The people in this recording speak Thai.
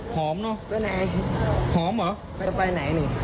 หอมเนอะหอมหรอมันขึ้นไปไหนนี่